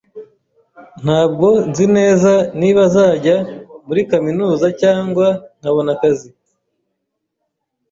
Ntabwo nzi neza niba nzajya muri kaminuza cyangwa nkabona akazi.